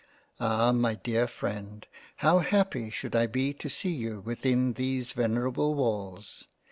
Ah ! my dear Freind, how happy should I be to see you within these venerable Walls